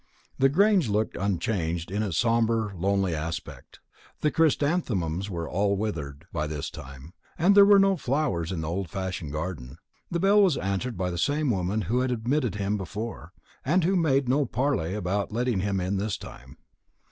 The Grange looked unchanged in its sombre lonely aspect. The chrysanthemums were all withered by this time, and there were now no flowers in the old fashioned garden. The bell was answered by the same woman who had admitted him before, and who made no parley about letting him in this time.